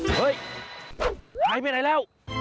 เฮ้ยไปไหนแล้ว